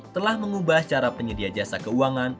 telah mengubah cara penyedia jasa keuangan